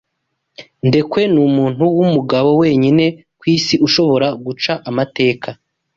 Ndekwe numuntu wumugabo wenyine kwisi ushobora guca amateka.